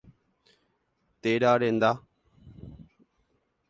Téra renda.